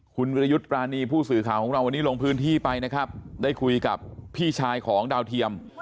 คุณวิรยุทธ์ปรานีผู้สื่อข่าวของเราวันนี้ลงพื้นที่ไปนะครับได้คุยกับพี่ชายของดาวเทียม